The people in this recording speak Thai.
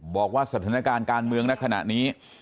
บอกว่าสถานการณ์การเมืองในขณะนี้